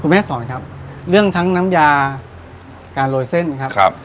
แม่สอนครับเรื่องทั้งน้ำยาการโรยเส้นนะครับ